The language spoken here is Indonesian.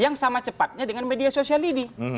yang sama cepatnya dengan media sosial ini